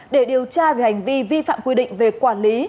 để điều tra về hành vi vi phạm quy định về quản lý